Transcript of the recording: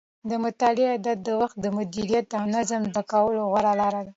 د مطالعې عادت د وخت د مدیریت او نظم زده کولو غوره لاره ده.